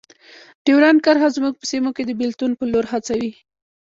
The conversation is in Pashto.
ډیورنډ کرښه زموږ په سیمو کې د بیلتون په لور هڅوي.